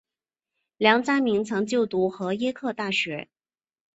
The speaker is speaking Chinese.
梁嘉铭曾就读和约克大学。